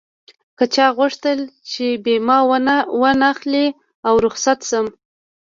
که چا غوښتل چې بيمه و نه اخلي او رخصت شم.